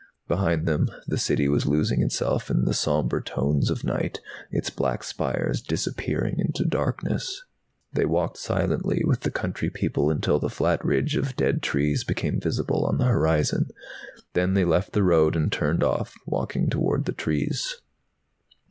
Behind them the City was losing itself in the sombre tones of night, its black spires disappearing into darkness. They walked silently with the country people until the flat ridge of dead trees became visible on the horizon. Then they left the road and turned off, walking toward the trees.